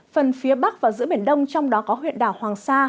phần phía bắc và giữa biển đông trong đó có huyện đảo hoàng sa